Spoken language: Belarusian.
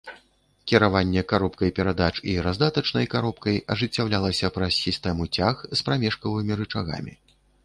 Кіраванне каробкай перадач і раздатачнай каробкай ажыццяўлялася праз сістэму цяг з прамежкавымі рычагамі.